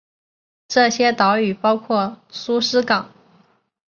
这些岛屿包括苏斯港。